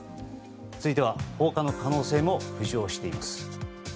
続いては放火の可能性も浮上しています。